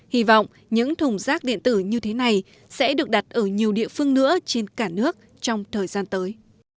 hy vọng những thùng rác điện tử như thế này sẽ được đặt ở nhiều địa phương nữa trên cả nước trong thời gian tới